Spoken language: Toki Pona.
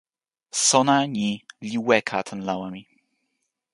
sona ni li weka tan lawa mi.